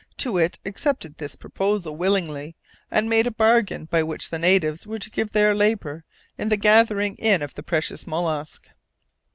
Too Wit accepted this proposal willingly, and made a bargain by which the natives were to give their labour in the gathering in of the precious mollusk.